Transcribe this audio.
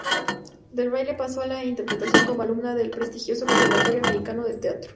Del baile pasó a la interpretación como alumna del prestigioso Conservatorio Americano de Teatro.